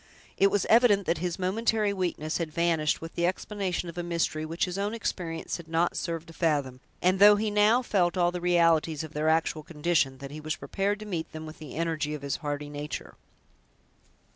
It was evident that his momentary weakness had vanished with the explanation of a mystery which his own experience had not served to fathom; and though he now felt all the realities of their actual condition, that he was prepared to meet them with the energy of his hardy nature.